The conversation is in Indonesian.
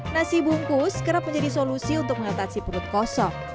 nasi bungkus kerap menjadi solusi untuk mengatasi perut kosong